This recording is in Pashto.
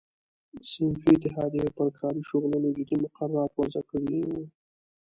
صنفي اتحادیو پر کاري شغلونو جدي مقررات وضع کړي وو.